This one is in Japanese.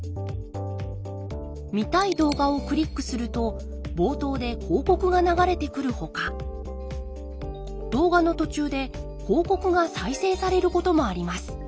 見たい動画をクリックすると冒頭で広告が流れてくるほか動画の途中で広告が再生されることもあります。